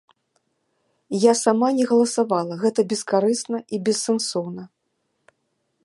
Я сама не галасавала, гэта бескарысна і бессэнсоўна.